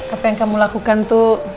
apa yang kamu lakukan tuh